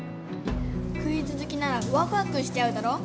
クイズ好きならワクワクしちゃうだろ！